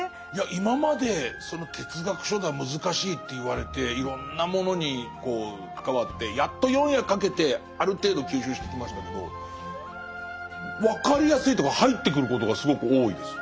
今まで哲学書だ難しいって言われていろんなものに関わってやっと４夜かけてある程度吸収してきましたけど分かりやすいというか入ってくることがすごく多いです。